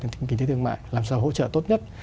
kinh tế thương mại làm sao hỗ trợ tốt nhất